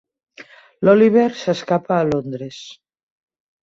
L'Oliver s'escapa a Londres.